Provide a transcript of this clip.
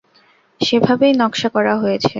সেভাবেই নকশা করা হয়েছে।